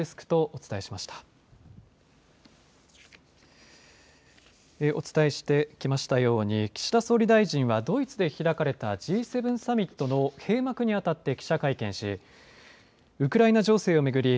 お伝えしてきましたように岸田総理大臣はドイツで開かれたＧ７サミットの閉幕に当たって記者会見し、ウクライナ情勢を巡り